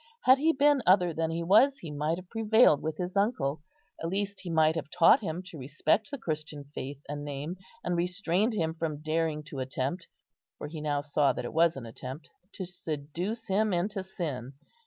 Had he been other than he was, he might have prevailed with his uncle; at least he might have taught him to respect the Christian Faith and Name, and restrained him from daring to attempt, for he now saw that it was an attempt, to seduce him into sin.